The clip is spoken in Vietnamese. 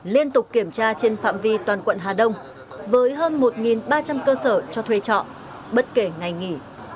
liên tục kiểm tra trên phạm vi toàn quận hà đông với hơn một ba trăm linh cơ sở cho thuê trọ bất kể ngày nghỉ